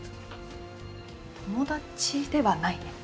友達ではないね。